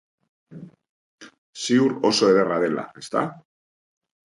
Ziur oso ederra dela, ezta?